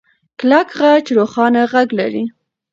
کلک خج روښانه غږ لري.